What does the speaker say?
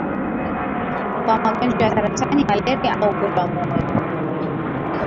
kwa magonjwa ya saratani malaria au ugonjwa wa moyo